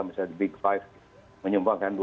misalnya di big five menyumbangkan